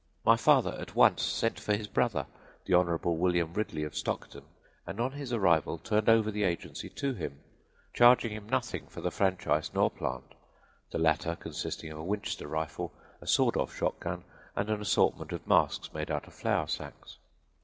My father at once sent for his brother, the Hon. William Ridley of Stockton, and on his arrival turned over the agency to him, charging him nothing for the franchise nor plant the latter consisting of a Winchester rifle, a sawed off shotgun, and an assortment of masks made out of flour sacks.